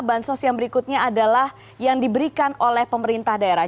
bansos yang berikutnya adalah yang diberikan oleh pemerintah daerah